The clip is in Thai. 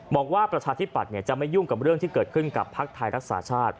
บอกว่าประชาธิปัตย์จะไม่ยุ่งกับเรื่องที่เกิดขึ้นกับภักดิ์ไทยรักษาชาติ